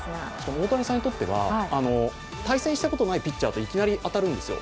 大谷さんにとっては対戦したことのないピッチャーといきなり当たるんですよ。